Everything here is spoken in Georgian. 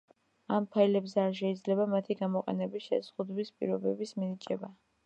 ამ ფაილებზე არ შეიძლება მათი გამოყენების შეზღუდვის პირობების მინიჭება.